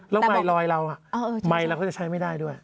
แล้วไมค์ลอยเราไมค์เราก็จะใช้ไม่ได้ด้วย